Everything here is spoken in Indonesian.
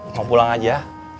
mau pulang aja